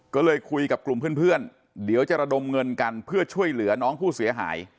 ก็เลยคุยกับกลุ่มเพื่อนเดี๋ยวจะระดมเงินกันเพื่อช่วยเหลือน้องผู้เสียหาย